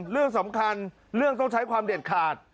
เรื่องสำคัญเรื่องต้องใช้ความเด็ดขาด